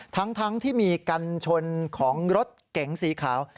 ทั้งที่มีกันชนของรถเก๋งสีขาว